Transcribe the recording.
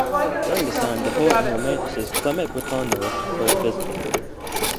During this time, the poet and romanticist Clement Bretano first visited.